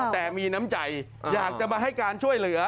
แต่มีน้ำใจอยากจะมาให้การช่วยเหลือ